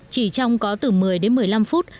chỉ trong có từ một mươi đến một mươi năm phút